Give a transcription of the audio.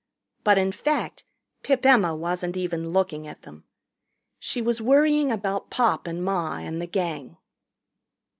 But in fact Pip Emma wasn't even looking at them. She was worrying about Pop and Ma and the Gang.